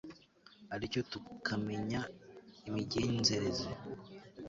ari cyo tukamenya imigenzereze